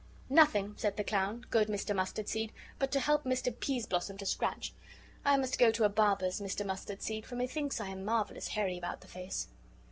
"Nothing," said the clown, "good Mr. Mustard seed, but to help Mr. Peas blossom to scratch; I must go to a barber's, Mr. Mustard seed, for methinks I am marvelous hairy about the face."